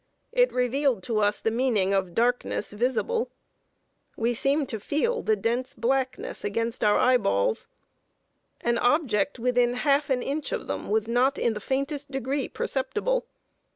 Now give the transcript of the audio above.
It revealed to us the meaning of "darkness visible." We seemed to feel the dense blackness against our eye balls. An object within half an inch of them was not in the faintest degree perceptible.